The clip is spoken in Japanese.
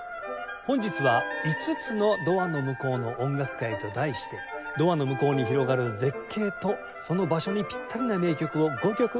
本日は５つのドアの向こうの音楽会と題してドアの向こうに広がる絶景とその場所にぴったりな名曲を５曲お届け致します。